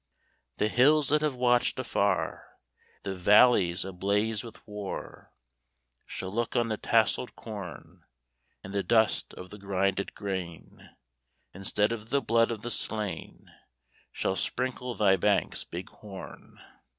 The hills that have watched afar The valleys ablaze with war Shall look on the tasselled corn; And the dust of the grinded grain, Instead of the blood of the slain, Shall sprinkle thy banks, Big Horn!